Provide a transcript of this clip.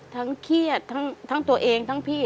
เครียดทั้งตัวเองทั้งพี่